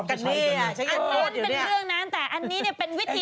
อันนั้นเป็นเรื่องนั้นแต่อันนี้เป็นวิธี